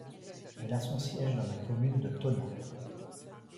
Elle a son siège dans la commune de Tonna.